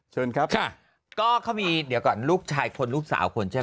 เจ้าก็เขามีเดี๋ยวก่อนลูกชายคนลูกสาวคนใช่ไหม